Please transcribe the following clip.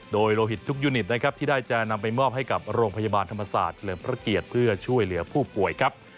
โดยโลหิตทุกยูนิตนะครับที่ได้จะนำไปมอบให้กับโรงพยาบาลธรรมศาสตร์เฉลิมพระเกียรติเพื่อช่วยเหลือผู้ป่วยครับ